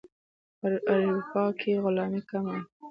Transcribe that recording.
اروپا کې غلامي کمه وه.